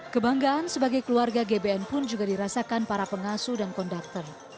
kebanggaan sebagai keluarga gbn pun juga dirasakan para pengasuh dan konduktor